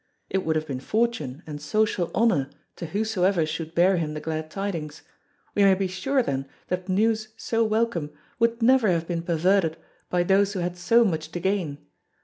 It would have been fortune and social honour to whosoever should bear him the glad tidings. We may be sure then that news so welcome would never have been perverted by those who had so much to gain.